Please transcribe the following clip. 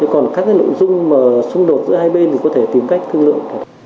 còn các nội dung xung đột giữa hai bên thì có thể tìm cách thương lượng